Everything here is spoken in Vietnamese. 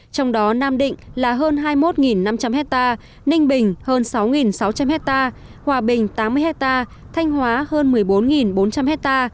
trong đó nam định là hơn hai mươi một năm trăm linh hecta ninh bình hơn sáu sáu trăm linh hecta hòa bình tám mươi hecta thanh hóa hơn một mươi bốn bốn trăm linh hecta